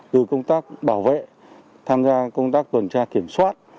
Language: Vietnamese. từ công tác bảo vệ tham gia công tác tuần tra kiểm soát